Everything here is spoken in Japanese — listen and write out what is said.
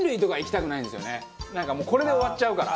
なんかもうこれで終わっちゃうから。